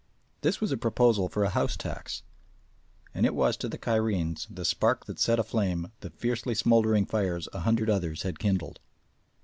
This was a proposal for a house tax, and it was to the Cairenes the spark that set aflame the fiercely smouldering fires a hundred others had kindled.